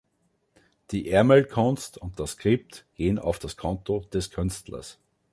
Die Ärmelkunst und das Skript gehen auf das Konto des Künstlers.